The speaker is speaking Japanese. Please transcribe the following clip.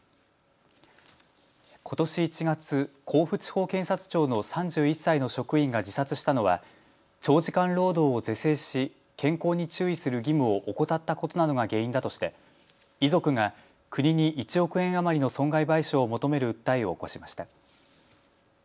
ことし１月、甲府地方検察庁の３１歳の職員が自殺したのは長時間労働を是正し健康に注意する義務を怠ったことなどが原因だとして遺族が国に１億円余りの損害賠償を求める訴えを起こしました。